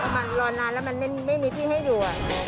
มันรอนานแล้วมันไม่มีที่ให้อยู่